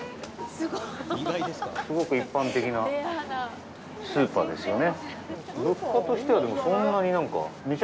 すごく一般的なスーパーですよね。